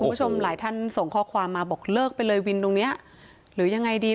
คุณผู้ชมหลายท่านส่งข้อความมาบอกเลิกไปเลยวินตรงเนี้ยหรือยังไงดี